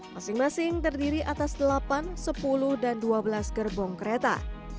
masing masing terdiri atas delapan sepuluh dan dua belas gerbong kereta